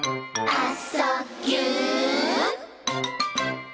「あ・そ・ぎゅ」